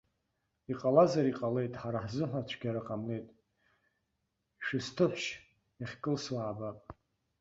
Иҟалазар иҟалеит, ҳара ҳзыҳәа цәгьара ҟамлеит, шәысҭыҳәшь иахькылсуа аабап.